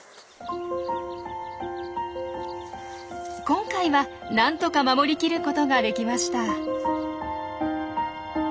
今回はなんとか守りきることができました。